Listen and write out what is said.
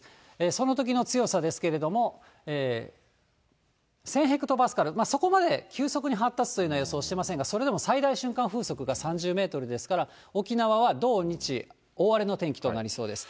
そのときの強さですけれども、１０００ヘクトパスカル、そこまで急速に発達というのは予想してませんが、それでも最大瞬間風速が３０メートルですから、沖縄は土、日、大荒れの天気となりそうです。